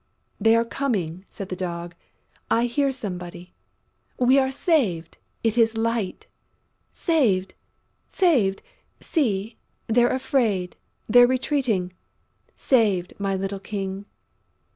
"They are coming!" said the Dog. "I hear somebody!... We are saved! It is Light!... Saved! Saved!... See, they're afraid, they're retreating!... Saved, my little king!..."